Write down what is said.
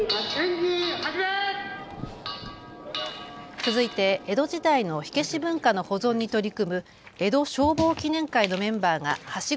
続いて江戸時代の火消し文化の保存に取り組む江戸消防記念会のメンバーがはしご